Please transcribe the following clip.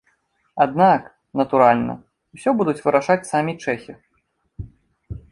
Аднак, натуральна, усё будуць вырашаць самі чэхі.